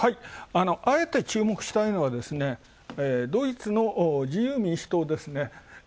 あえて注目したいのはドイツの自由民主党ですね。